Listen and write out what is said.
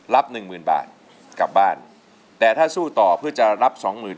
หนึ่งหมื่นบาทกลับบ้านแต่ถ้าสู้ต่อเพื่อจะรับสองหมื่น